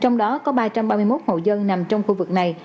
trong đó có ba trăm ba mươi một hộ dân nằm trong khu vực này